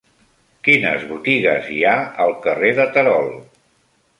Quines botigues hi ha al carrer de Terol?